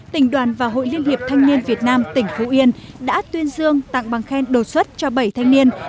tỉnh đoàn và hội liên hiệp thanh niên việt nam tỉnh phú yên đã tuyên dương tặng bằng khen đột xuất cho bảy thanh niên